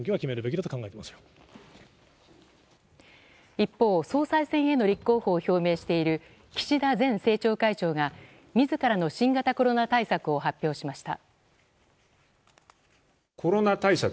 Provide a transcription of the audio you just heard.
一方、総裁選への立候補を表明している岸田前政調会長が自らの新型コロナ対策を発表しました。